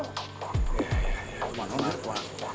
ya ya ya um anu anu